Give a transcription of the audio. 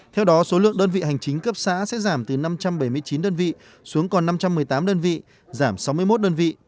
theo đó số lượng đơn vị hành chính cấp xã sẽ giảm từ năm trăm bảy mươi chín đơn vị xuống còn năm trăm một mươi tám đơn vị giảm sáu mươi một đơn vị